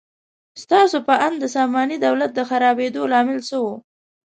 ستاسو په اند د ساماني دولت د خرابېدو لامل څه و؟